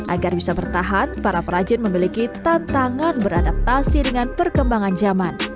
agar bisa bertahan para perajin memiliki tantangan beradaptasi dengan perkembangan zaman